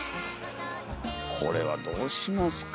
これはどうしますか？